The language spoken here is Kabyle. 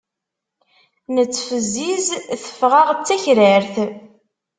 Nettfezziz teffeɣ-aɣ d takrart.